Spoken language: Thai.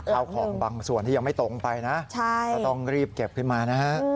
ข้าวของบางส่วนที่ยังไม่ตกลงไปนะก็ต้องรีบเก็บขึ้นมานะฮะ